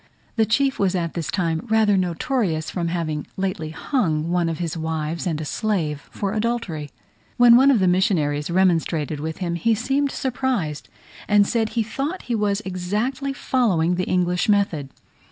The chief was at this time rather notorious from having lately hung one of his wives and a slave for adultery. When one of the missionaries remonstrated with him he seemed surprised, and said he thought he was exactly following the English method.